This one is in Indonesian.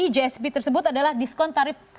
gsp tersebut adalah diskon tarif